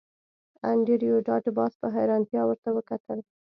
انډریو ډاټ باس په حیرانتیا ورته وکتل